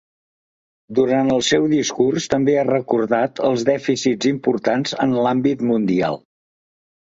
Durant el seu discurs també ha recordat els dèficits importants en l’àmbit mundial.